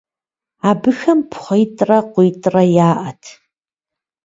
Абыхэм пхъуитӏрэ къуитӏрэ яӏэт.